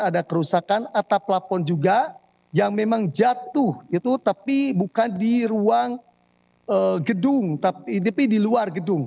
ada kerusakan atap plafon juga yang memang jatuh itu tapi bukan di ruang gedung tepi di luar gedung